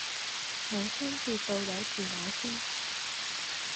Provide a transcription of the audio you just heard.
母親節到底是那天？